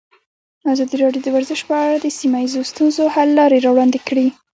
ازادي راډیو د ورزش په اړه د سیمه ییزو ستونزو حل لارې راوړاندې کړې.